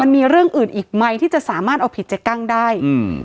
มีเรื่องอื่นอีกไหมที่จะสามารถเอาผิดเจ๊กั้งได้อืม